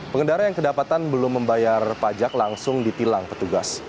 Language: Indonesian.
pengendara yang kedapatan belum membayar pajak langsung ditilang petugas